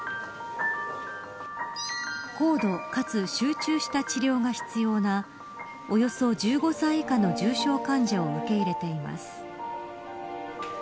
高度、かつ集中した治療が必要なおよそ１５歳以下の重症患者を受け入れています。